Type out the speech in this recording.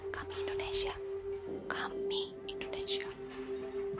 kami indonesia kami indonesia